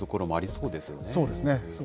そうですね。